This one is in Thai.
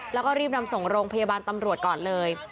แล้วก็รีบนำส่งโรงพยาบาลตำรวจก่อนเลย